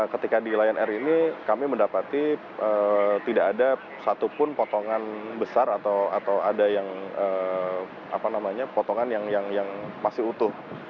ketika di lion air ini kami mendapati tidak ada satupun potongan besar atau ada yang potongan yang masih utuh